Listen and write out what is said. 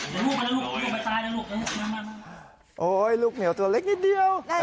เดี๋ยวลูกมาแล้วลูกมาตายแล้วลูกโอ้ยลูกเหี่ยวตัวเล็กนิดเดียว